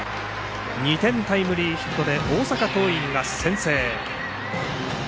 ２点タイムリーヒットで大阪桐蔭が先制。